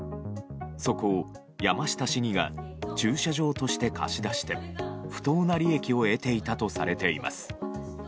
そこを山下市議が駐車場として貸し出して不当な利益を得ていたとされています。